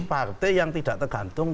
partai yang tidak tergantung